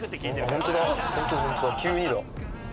ホントだホントだ急にだ。